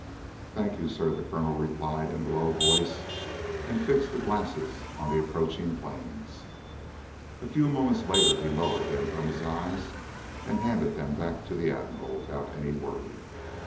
"Thank you, sir," the Colonel replied in a low voice, and fixed the glasses on the approaching planes. A few moments later he lowered them from his eyes, and handed them back to the Admiral without any word.